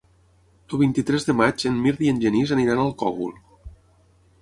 El vint-i-tres de maig en Mirt i en Genís aniran al Cogul.